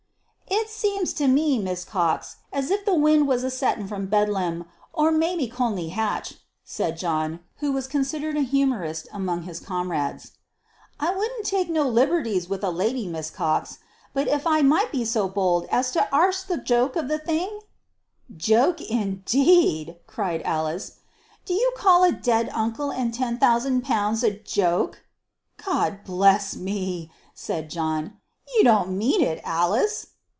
"It seems to me, Miss Cox, as if the wind was a settin' from Bedlam, or may be Colney Hatch," said John, who was considered a humourist among his comrades. "I wouldn't take no liberties with a lady, Miss Cox; but if I might be so bold as to arst the joke of the thing " "Joke, indeed!" cried Alice. "Do you call a dead uncle and ten thousand pounds a joke?" "God bless me!" said John. "You don't mean it, Alice?"